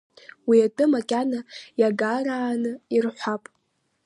Уи атәы макьана иагарааны ирҳәап.